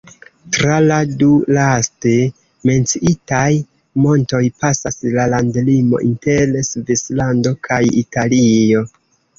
Tra la du laste menciitaj montoj pasas la landlimo inter Svislando kaj Italio.